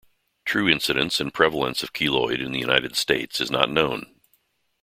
True incidence and prevalence of keloid in United States is not known.